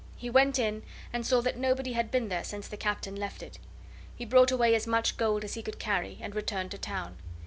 He went in, and saw that nobody had been there since the Captain left it. He brought away as much gold as he could carry, and returned to town.